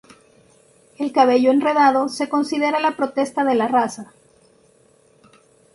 El cabello enredado se considera la protesta de la raza.